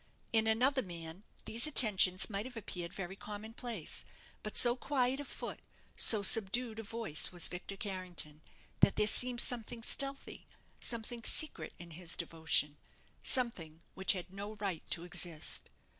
In another man these attentions might have appeared very common place, but so quiet of foot, so subdued of voice, was Victor Carrington, that there seemed something stealthy, something secret in his devotion; something which had no right to exist.